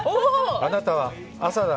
あなたは「朝だ！